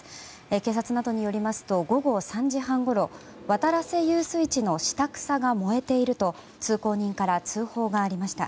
警察などによりますと午後３時半ごろ渡良瀬遊水地の下草が燃えていると通行人から通報がありました。